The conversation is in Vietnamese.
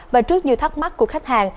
và trước nhiều thắc mắc của khách hàng